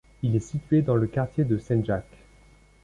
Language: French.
Il est situé dans le quartier de Senjak.